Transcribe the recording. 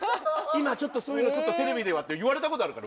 「今ちょっとそういうのテレビでは」って言われた事あるから。